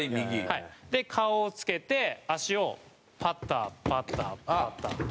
で顔をつけて右足をパタパタパタパタ。